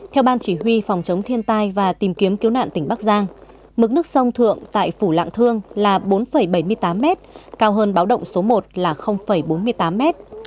theo ban chỉ huy phòng chống thiên tai và tìm kiếm cứu nạn tỉnh bắc giang mức nước sông thượng tại phủ lạng thương là bốn bảy mươi tám m cao hơn báo động số một là bốn mươi tám mét